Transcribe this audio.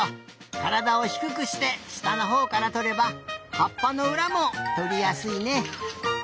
からだをひくくしてしたのほうからとればはっぱのうらもとりやすいね。